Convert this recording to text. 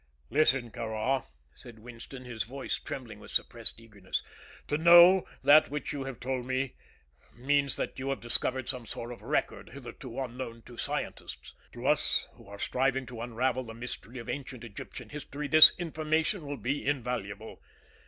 "Listen, Kāra," said Winston, his voice trembling with suppressed eagerness; "to know that which you have told to me means that you have discovered some sort of record hitherto unknown to scientists. To us who are striving to unravel the mystery of ancient Egyptian history this information will be invaluable.